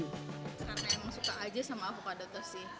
karena emang suka aja sama avocado toast sih